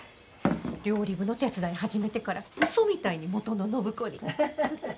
料理部の手伝い始めてからウソみたいに元の暢子に。